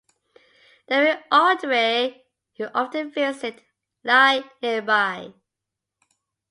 W. Awdry who often visited Ely nearby.